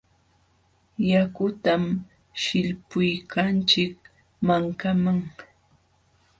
Yakutam sillpuykanchik mankaman.